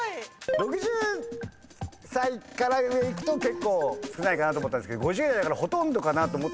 ６０歳から上いくと結構少ないかなと思ったんですけど５０代だからほとんどかなと。